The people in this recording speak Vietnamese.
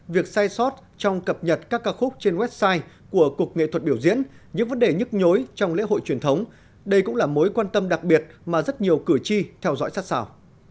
việc sai sót trong cập nhật các ca khúc trên website của cục nghệ thuật biểu diễn những vấn đề nhức nhối trong lễ hội truyền thống đây cũng là mối quan tâm đặc biệt mà rất nhiều cử tri theo dõi sát sao